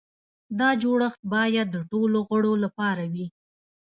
دا جوړښت باید د ټولو غړو لپاره وي.